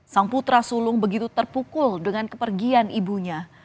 sang putra sulung begitu terpukul dengan kepergian ibunya